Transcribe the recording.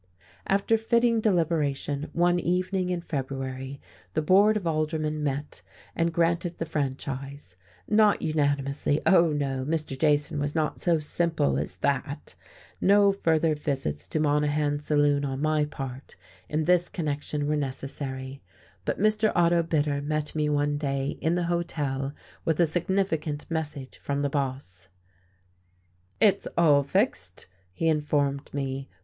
After fitting deliberation, one evening in February the Board of Aldermen met and granted the franchise. Not unanimously, oh, no! Mr. Jason was not so simple as that! No further visits to Monahan's saloon on my part, in this connection were necessary; but Mr. Otto Bitter met me one day in the hotel with a significant message from the boss. "It's all fixed," he informed me.